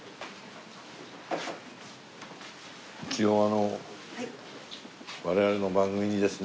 あの我々の番組にですね